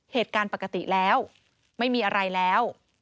เหตุการณ์ปกติแล้วไม่มีอะไรแล้ว